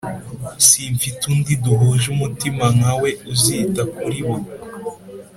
Simfite undi duhuje umutima nka we uzita kuri bo